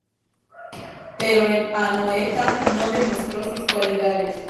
Pero en Anoeta no demostró sus cualidades.